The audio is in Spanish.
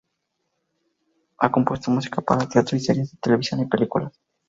Ha compuesto música para teatro y series de televisión y películas.